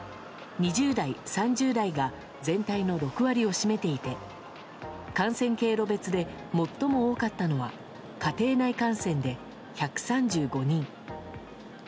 ２０代、３０代が全体の６割を占めていて感染経路別で最も多かったのは家庭内感染で１３５人。